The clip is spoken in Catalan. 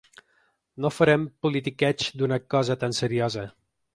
No farem politiqueig d’una cosa tan seriosa.